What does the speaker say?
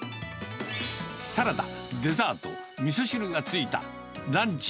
サラダ、デザート、みそ汁がついたランチＡ